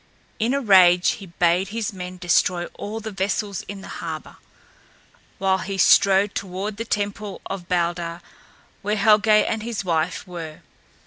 In a rage he bade his men destroy all the vessels in the harbor, while he strode toward the temple of Balder where Helgé and his wife were.